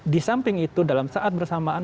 disamping itu dalam saat bersamaan